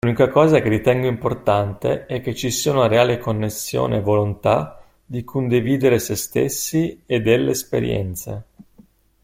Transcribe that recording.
L'unica cosa che ritengo importante è che ci sia una reale connessione e volontà di condividere se stessi e delle esperienze.